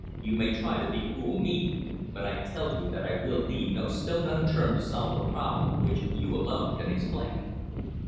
You may try to befool me, but I tell you that I will leave no stone unturned to solve the problem which you alone can explain."